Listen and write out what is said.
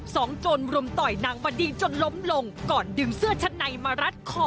โจรรุมต่อยนางบดีจนล้มลงก่อนดึงเสื้อชั้นในมารัดคอ